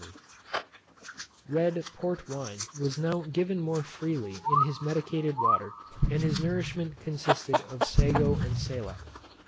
_ Red Port wine was now given more freely in his medicated water; and his nourishment consisted of sago and salep.